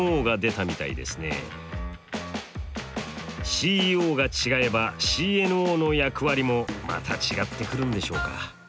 ＣＥＯが違えばＣＮＯの役割もまた違ってくるんでしょうか。